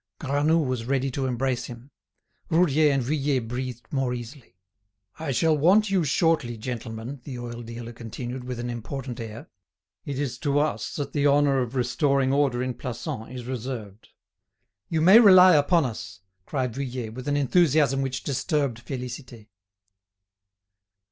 Granoux was ready to embrace him. Roudier and Vuillet breathed more easily. "I shall want you shortly, gentlemen," the oil dealer continued, with an important air. "It is to us that the honour of restoring order in Plassans is reserved." "You may rely upon us!" cried Vuillet, with an enthusiasm which disturbed Félicité.